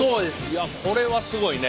いやこれはすごいね。